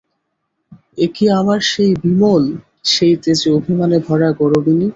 এ কি আমার সেই বিমল, সেই তেজে অভিমানে ভরা গরবিনী!